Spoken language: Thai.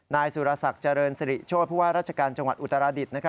นายสุรศักดิ์เจริญสิริโชธผู้ว่าราชการจังหวัดอุตราดิษฐ์